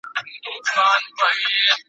لا خو دي ډکه ده لمن له مېړنو زامنو ,